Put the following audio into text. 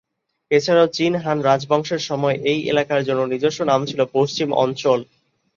এছাড়াও, চীন হান রাজবংশের সময়ে এই এলাকার জন্য নিজস্ব নাম ছিল "পশ্চিম অঞ্চল"।